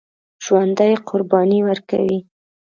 ژوندي قرباني ورکوي